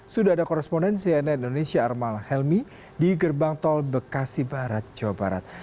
sudah ada korespondensi dari indonesia arman helmi di gerbang tol bekasi barat jawa barat